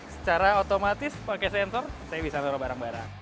secara otomatis pakai sensor saya bisa bawa barang barang